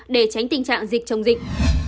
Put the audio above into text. để tránh tình trạng dịch chống dịch